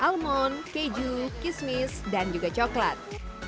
seperti almond keju kismis dan juga coklat